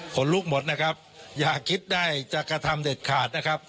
คนลุกหมดนะครับอย่าคิดได้จะกระทำเด็ดขาดนะครับ